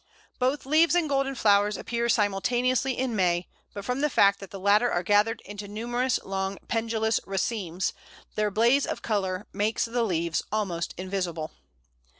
Both leaves and golden flowers appear simultaneously in May, but from the fact that the latter are gathered into numerous long pendulous racemes, their blaze of colour makes the leaves almost invisible.